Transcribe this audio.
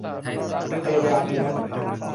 พยายามดีนะ